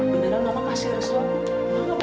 beneran mama kasih restu ma